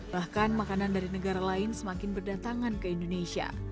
bahkan makanan dari negara lain semakin berdatangan ke indonesia